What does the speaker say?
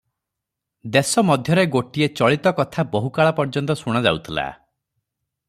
ଦେଶ ମଧ୍ୟରେ ଗୋଟିଏ ଚଳିତ କଥା ବହୁକାଳ ପର୍ଯ୍ୟନ୍ତ ଶୁଣା ଯାଉଥିଲା